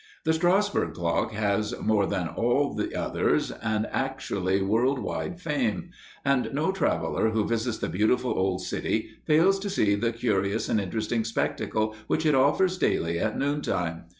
The Strassburg clock has, more than all others, an actually world wide fame; and no traveler who visits the beautiful old city fails to see the curious and interesting spectacle which it offers daily at noontime.